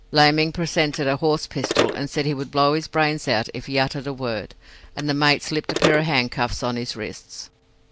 Laming presented a horse pistol and said he would blow his brains out if he uttered a word, and the mate slipped a pair of handcuffs on his wrists.